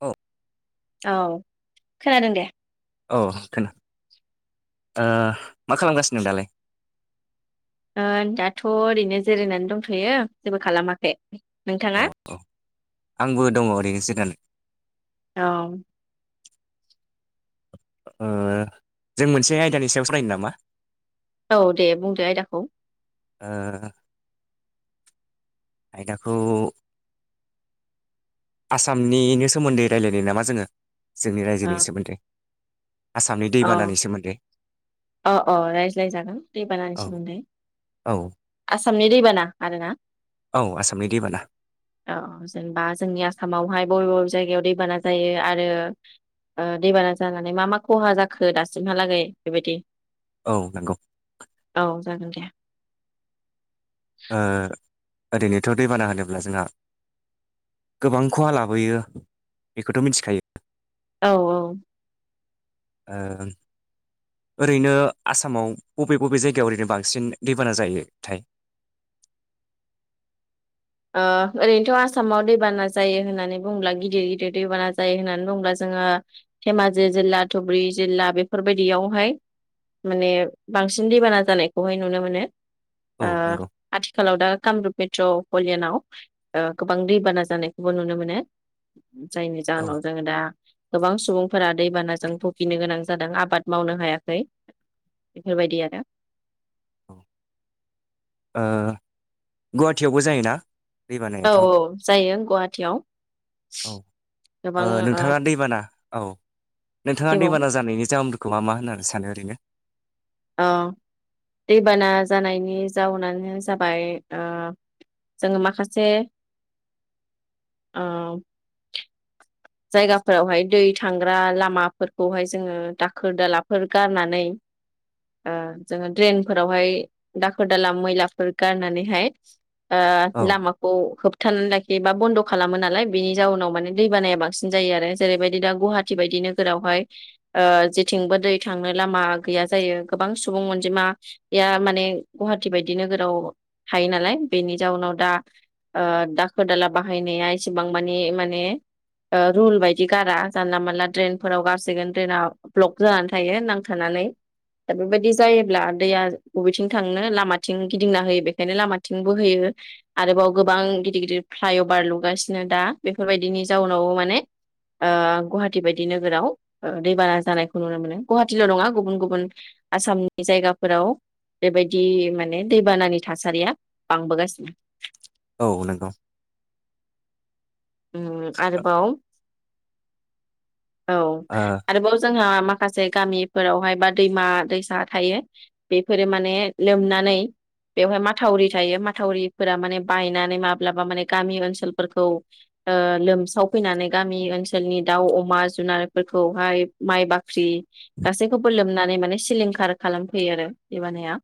औ। औ खोनादों दे। औ खोना ओ मा खालामगासिनो दालाय? ओ दाथ' ओरैनो जिरायनानै दंथ'यो जेबो खालामाखै। अ नोंथाङा अ आंबो दङ ओरैनो जिरायना। औ ओ जों मोनसे आयदानि सायाव सावरायनो नामा? औ दे बुंदो आयदाखौ। ओ आयदाखौ आसामनिनो सोमोन्दै रायलायनि नामा जोङो? जोंनि ओ रायजोनि सोमोन्दै। आसामनि औ दैबानानि सोमोन्दै। अ अ रायज्लायजागोन दै बानानि औ सोमोन्दै औ आस आसामनि दैबाना आरोना? औ आसामनि दैबाना औ जेनेबा जोंनि आसामावहाय बबे बबे जायगायाव दैबाना जायो आरो ओ दैबाना जानानै मा मा खहा जाखो दासिमहालागै बेबायदि औ नोंगौ। औ [inaudible] ओ ओरैनोथ' दैबाना होनोब्ला जोंहा गोबां खहा लाबोयो बेखौथ' मिन्थिखायो। औ औ ओ ओरैनो आसामाव बबे बबे जायगायाव ओरैनो बांसिन दैबाना जायो थाय? ओ ओरैनोथ' आसामाव दैबाना जायो होननानै बुङोब्ला गिदिर गिदिर दैबाना जायो होननानै बुङोब्ला जोङो धेमाजि जिल्ला धुबुरि जिल्ला बेफोरबायदियावहाय माने बांसिन दैबाना जानायखौहाय नुनो मोनो। औ ओ नंगौ आथि आखालाव दा कामरुप मेट्र' हलियानाव ओ गोबां दैबाना जानायखौबो नुनो मोनो। जायनि औ जाहोनाव जोङो दा गोबां सुबुंफोरा दैबानाजों भुगिनो गोनां जादों आबाद मावनो हायाखै बेफोरबायदि आरो औ ओ गुवाहाटियावबो जायोना? औ दैबानायाथ' औ जायो गुवाहाटियाव औ गोबां ओ नोंथाङा दैबाना औ नोंथाङा देबाव दैबाना जानायनि जाहोमफो खोहा मा होननानै सानो ओरैनो? अ दैबाना जानायनि जाउनानो जाबाय ओ जोङो माखासे ओ जायगाफोरावहाय दै थांग्रा लामाफोरखौहाय जोङो दाखोर दालाफोर गारनानै ओ जोङो द्रेनरेनफोरावहाय दाखोर दाला मैलाफोर गारनानैहाय औ ओ लामाखौ होब थानानै लाखियोबा बन्द' खालामो नालाय बेनि जाउनाव माने दै बानायाबा बां सिन जायो आरो जेरैबायदि दा गुहाटि बायदि नोगोरावहाय ओ जेथिंबो दै थांनो लामा गैया जायो गोबां सुबुं अनजिमा या माने गुहाटि बायदि नोगोराव हायो नालाय बेनि जाउनाव दा ओ दाखोर दाला बाहायनाया एसेबां माने माने ओ रुल बायदि गारा जानला मानला ड्रेनफोराव गारसिगोन ड्रेना ब्लक जानानै थायो नांथानानै दा बेबायदि जायोब्ला दैया बबेथिं थांनो लामाथिं गिदिंना होयो बेखायनो लामाथिं बोहोयो आरोबाव गोबां गिदिर गिदिर फ्लाइअभार लुगासिनो दा बेफोरबायदिनि जाउन नावबो माने ओ गुहाटि बायदि नोगोराव ओ दैबाना जानायखौ नुनो मोनो गुहाटिल' नङा गुबुन गुबुन आसामनि जायगाफोराव बेबायदि माने दैबानानि थासारिया बांबोगासिनो। औ नोंगौ। उ आरोबाव औ ओ आरोबाव जोंहा माखासे गामिफोरावहाय बा दैमा दैसा थायो बेफोरो माने लोमनानै बेवहाय माथावरि थायो माथावरिफोरा माने बायनानै माब्लाबा माने गामि ओनसोलफोरखौ ओ लोमसाव फैनानै गामि ओनसोलनि दाउ अमा जुनारफोरखौहाय माइ बाख्रि गासैखौबो लोमनानै माने सिलिंखार खालामफैयो आरो दैबानाया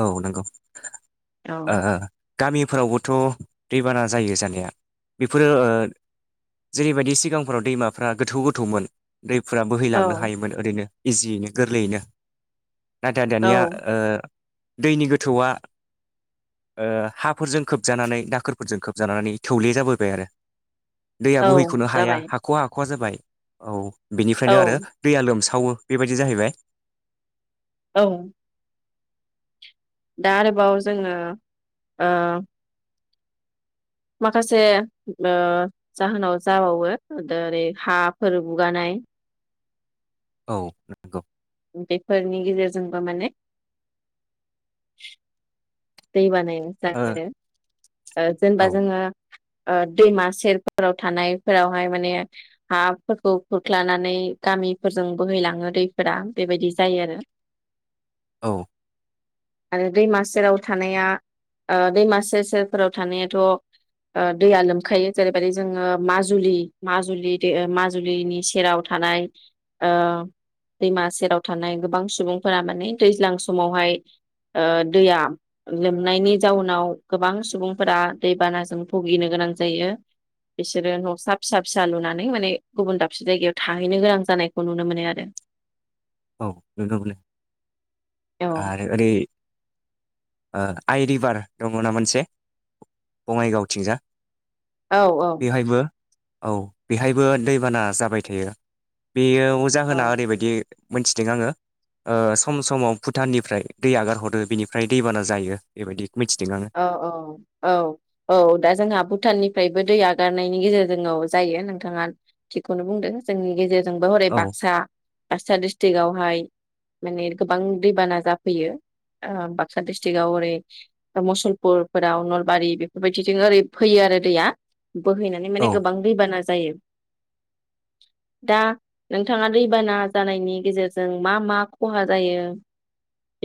औ नंगौ औ ओ ओ गामिफोरावबोथ' दैबाना जायो जानाया बेफोरो ओ जेरैबायदि सिगांफोराव दैमाफ्रा गोथौ गोथौमोन दैफोरा बोहैलांनो औ हायोमोन ओरैनो इजियैनो गोरलैयैनो नाथाया दानिया औ ओ दैनि गोथौआ ओ हाफोरजों खोबजानानै दाखोरफोरजों खोबजानानै थौले जाबोबाय आरो औ दैयाबोहैखनो हाया जाबाय हाख'वा ख'वख जाबाय औ औ बेनिफ्रायनो आरो दैया लोमसा खावो बेबायदि जाहैबाय औ दा आरोबाव जोङो ओ माखासे ओ जाहोनाव जाबावो ओरै हाफोर बुगानाय औ नंगौ बेफोरनि गेजेरजोंबो माने दैबानाय ओ [unintelligible] ओ जेनेबा औ जोङो ओ दैमा सेरफोराव थानायफोरावहाय माने हाफोरखौ खुरख्लानानै गामिफोरजों बोहैलाङो दैफोरा बेबायदि जायो आरो औ आरो दैमासेराव थानाया ओ दैमा सेर सेरफोराव थानायाथ ओ दैया लोमखायो जेरैबायदि जोङो माजुलि माजुलि माजुलिनि सेराव थानाय ओ दैमा सेराव थानाय गोबां सुबुंफोरा माने दैज्लां समावहाय ओ दैया लोमनायनि जाउनाव गोबां सुबुंफोरा दैबानाजों भुगिनो गोनां जायो बिसोरो नसा फिसा फिसा लुनानै माने गुबुन दाबसे जायगायाव थाहैनो गोनां जानायखौ नुनो मोनो आरो। औ [unintelligible] औ आरो ओरै ओ आइ रिभार दङ ना मोनसे बङाइगावथिंजा औ औ बेवहायबो औ बेहायबो दैबाना जाबाय थायो बेयो अ जाहोना औ ओरैबायदि मोनथिदों आङो ओ सम समाव भुटाननिफ्राय दै आगार हरो बेनिफ्राय दैबाना जायो बेबायदि मिथिदों आङो औ औ औ औ दा जोंहा भुटाननिफ्राय बो दै आगारनायनि गेजेरजोंआव जायो नोंथाङा थिखौनो बुंदों जोंनि गेजेर जोंबो हरै औ बाक्सा बाक्सा डिस्ट्रिकवहाय माने गोबां दैबाना जाफैयो ओ बाक्सा डिस्ट्रिक्आव ओरै मुसलपुरफोराव नलबारि बेफोरबायदिजों ओरै फैयो आरो दैया बोहैनानै माने औ गोबां दैबाना जायो दा नोंथाङा दैबाना जानायनि गेजेरजों मा मा खहा जायो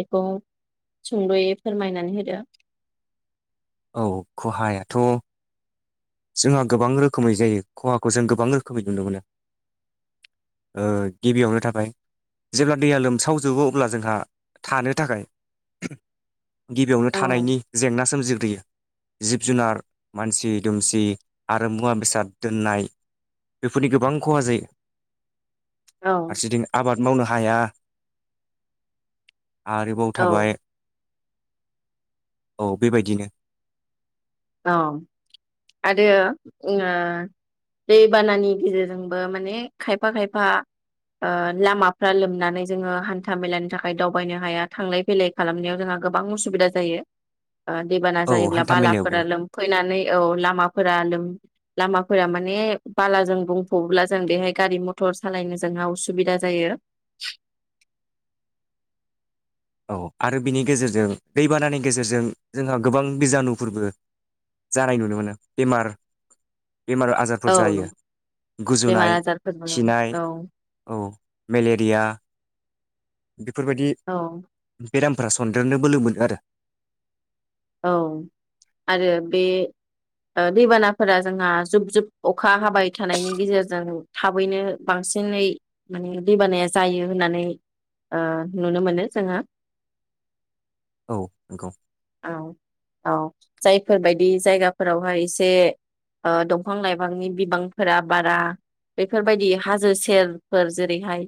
बेखौ सुंद'यै फोरमायनानै होदो औ खहायाथ जोंहा गोबां रोखोमै जायो खहाखौ जों गोबां रोखोमै नुनो मोनो ओ गिबियावनो थाबाय जेब्ला दैया लोमसावजोबो अब्ला जोंहा थानो थाखाय गिबियावनो औ थानायनि जेंना सोमजिग्रोयो जिब जुनार मानसि दुमसि आरो मुवा बेसाद दोननाय बेफोरनि गोबां खहा जायो औ फारसेथिं आबाद मावनो हाया आरोबाव औ थाबाय औ बेबायदिनो औ आरो ओ दैबानानि गेजेरजोंबो माने खायफा खायफा ओ लामाफ्रा लोमनानै जोंङो हान्था मेलानि थाखाय दावबायनो हाया थांलाय फैलाय खालामनायाव जोंहा गोबां उसुबिदा जायो। ओ दैेबाना औ जायोब्ला हान्था बाला मेलायावबो फोरा लोमफैनानै औ लामाफोरा लोम लामाफोरा माने बालाजों बुंफबब्ला जों बेहाय गारि मथर सालायनो जोंहा उसुबिदा जायो औ आरो बिनि गेजेरजों दैबानानि गेजेरजों जोंहा गोबां बिजानुफोरबो जानाय नुनो मोनो बेमार बेमार आजारफोर जायो औ बेमार गुजुनाय आजारफोरबो खिनाय औ औ मेलेरिया बिफोरबायदि औ बेरामफोरा सनन्देरनो बोलोमोन आरो औ आरो बे ओ दैबानाफोरा जोंहा जुब जुब अखा हाबाय थानायनि गेजेरजों थाबैनो बांसिनै माने दैबानाया जायो होननानै ओनुनो मोनो जोंङा औ नोंगौ औ औ जायफोरबायदि जायगाफोरावहाय एसे ओ दंफां लाइफांनि बिबांफोरा बारा बेफोरबायदि हाजो सेरफोर जेरैहाय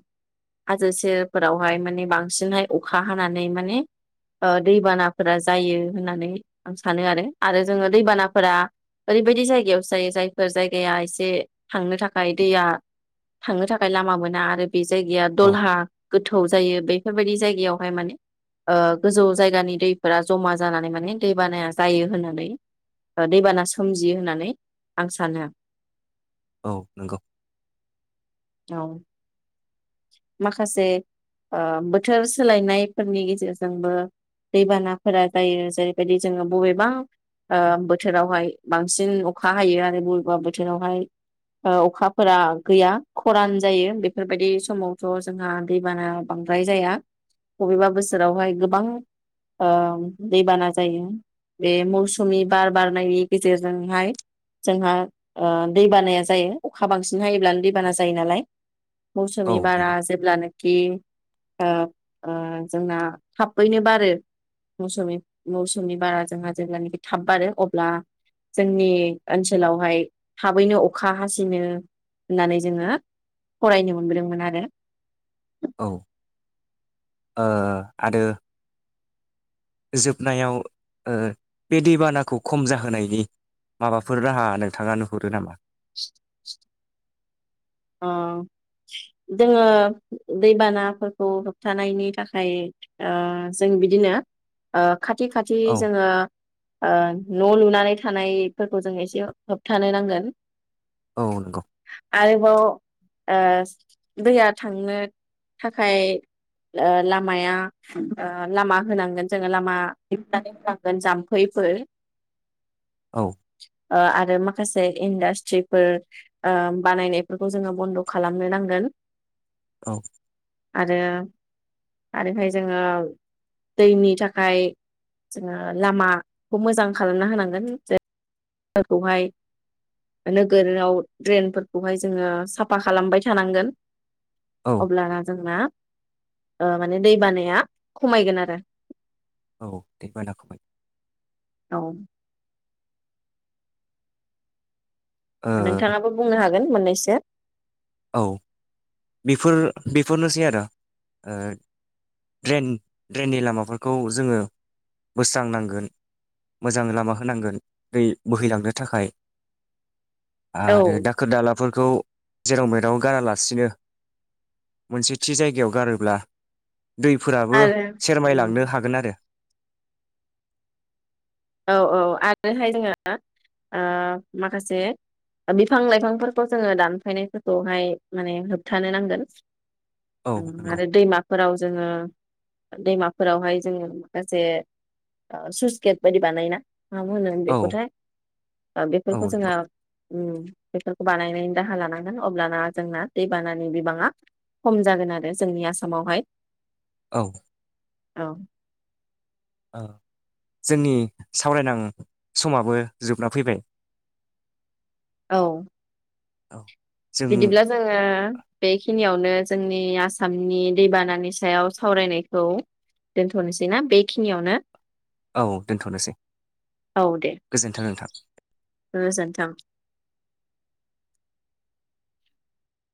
हाजो सेरफोरावहाय माने बांसिनहाय अखा हानानै माने दैबानाफोरा जायो होननानै आं सानो आरो आरो जोंङो दैबानाफोरा ओरैबायदि जायगायावसो जायो जायफोर जायगाया एसे थांनो थाखाय दैया थांनो थाखाय लामा मोना आरो बे जायगाया औ दलहा गोथौ जायो बेफोरबायदि जायगायावहाय माने ओ गोजौ जायगानि दैफोरा जमा ज जानानै मान दैबाना जायो होननानै दैबाना सोमजियो होननानै आं सानो औ नोंगौ औ माखासे ओ बोथोर सोलायनायफोरनि गेजेरजोंबो दैबानाफोरा जायो जेरैबायदि जोंङो बबेबा बोथोरावहाय बांसिन अखा हायो आरो बबेबा बोथोरावहाय ओ अखाफोरा गैया खरान जायो बेफोरबायदि समावथ जोंहा दैबाना बांद्राय जाया बबेबा बोसोरावहाय गोबां ओ दैबाना जायो बे मौसुमि बार बारनायनि गेजेरजोंहाय जोंहा दैबानाया जायो अखा बांसिन हायोब्लानो दैबाना जायो नालाय औ जि बारा नंगौ जेब्लानोकि ओ जोंना थाबैनो बारो मौस मौसुमनि बारा जोंहा जेब्लानाखि थाब बारो अब्ला जोंनि ओनसोलावहाय थाबैनो अखा हासिनो होननानै जोंङो फरायनो मोनबोदों। दोंमोनआरो औ ओ आरो जोबनायाव ओ बे दैबानाखौ खम जाहोनायनि माबाफोर राहा नोंथाङा नुहुरो नामा? अ जोंङो दैबानाफोरखौ होबथानायनि थाखाय ओ जों बिदिनो ओ खाथि खाथि औ जोंङो ओ न लुनानै थानायफोरखौ जों एसे होबथानो नांगोन औ नंगौ आरो ओ दैया थांनो थाखाय ओ लामाया ओ लामा होनांगोन जोङो लामा हेबनानै होनांगोन जाम्फैफोर औ ओ आरो माखासे इन्डास्ट्रिफोर ओ बानायनाय बेफोरखौ जोंङो बन्द खालामनो नांगोन औ आरो आरोहाय जोङो दैनि थाखाय जोंङो लामाखौ मोजां खालामना होनांगोन ज खौहाय नोगोराव ड्रेनफोरखौहाय जोंङो साफा खालामबाय थानांगोन औ अब्लाना जोंना ओ माने दै बानाया खमायगोन आरो औ दै बाना खमाय औ ओ नोंथांङाबो बुंनो हागो गोन मोननैसो औ बेफोर बेफोरनोसै आरो ओ ड्रेन ड्रेननि लामाफोरखौ जोंङो बोस्रांनांगोन मोजां लामा होनांगोन दै बोहैलांनो थाखाय औ आरो दाखोर दाला फोरखौ जेराव मेराव गारालासिनो मोनसे थि जायगायाव गारोब्ला दैफोराबो आरो उम सेरमायलांनो हागोन आरो औ औ आरोहाय जोंङो ओ माखासे बिफां लाइफांफोरखौ जोंङो दानफायनायफोरखौहाय माने होबथानो नांगोन। औ उम नंगौ आरो दैमाफोराव जोंङो दैमाफोरावहाय जोंङो माखासे ओ सुइस गेट बायदि बानायना मा होनो औ बेखौथाय औ बेफोरखौ जोंङो नंगौ उम बेफोरखौ बानायनायनि राहा लानांगोन अब्लाना जोंना दैबानानि बिबाङा खम जागोन आरो जोंनि आसामावहाय औ औ ओ जोंनि सावरायनां समाबो जोबना फैबाय औ औ जों बिदिब्ला जोङो बेखिनियावनो जोंनि आसामनि दैबानानि सायाव सावरायनायखौ दोनथ'नोसै ना बेखिनियावनो औ दोनथ'नोसै औ दे गोजोन्थों नोंथां। गोजोन्थों